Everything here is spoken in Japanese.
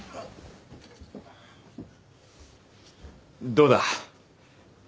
どうだ？